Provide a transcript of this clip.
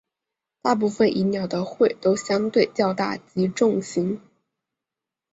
大部份蚁鸟的喙都相对较大及重型。